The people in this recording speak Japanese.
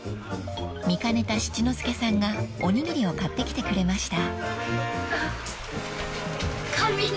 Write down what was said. ［見かねた七之助さんがおにぎりを買ってきてくれました］